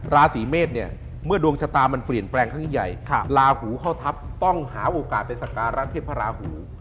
ราศีเมษเนี่ยเมื่อดวงชะตามันเปลี่ยนแปลงครั้งยิ่งใหญ่ลาหูเข้าทัพต้องหาโอกาสไปสการะเทพราหู